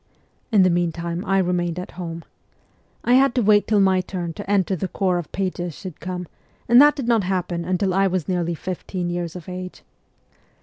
In the meantime I remained at home. I had to wait till my turn to enter the corps of pages should come, and that did not happen until I was nearly fifteen years of age.